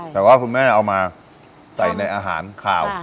แต่ว่าคุณแม่เอามาใส่ในอาหารขาว